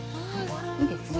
いいですね。